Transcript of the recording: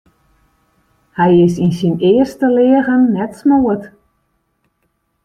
Hy is yn syn earste leagen net smoard.